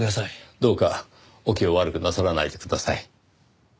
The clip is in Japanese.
どうかお気を悪くなさらないでください。